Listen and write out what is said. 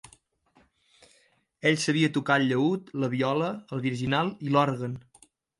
Ell sabia tocar el llaüt, la viola, el virginal i l"òrgan.